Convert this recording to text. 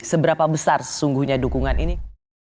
seberapa besar sesungguhnya dukungan ini